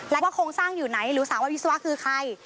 แล้วก็คลงสร้างอยู่ไหนสาวนวิสวะคือใคร